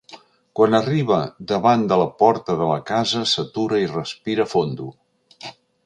Quan arriba davant de la porta de la casa s'atura i respira fondo.